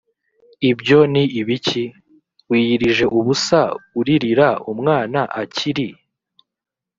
ibyo ni ibiki? wiyirije ubusa uririra umwana akiri